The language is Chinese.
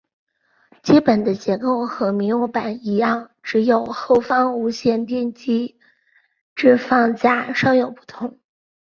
基本的构造和民用版一样只有后方无线电机置放架稍有不同。